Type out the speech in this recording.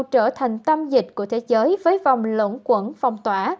châu âu trở thành tâm dịch của thế giới với vòng lỗn quẩn phong tỏa